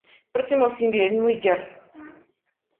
Próximo single: New Year